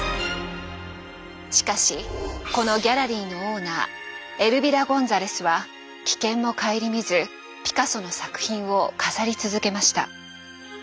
しかしこのギャラリーのオーナーエルビラ・ゴンザレスは危険も顧みずピカソの作品を飾り続けました。